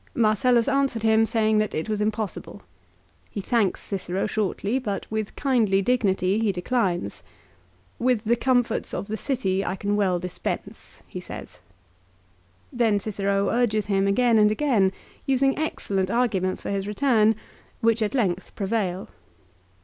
Marcellus answered him saying that it was impossible. He thanks Cicero shortly, but, with kindly dignity, he declines. " With the comforts of the city I can well dispense," he says. 2 Then Cicero urges him again and again, using excellent arguments for his return, which at length prevail.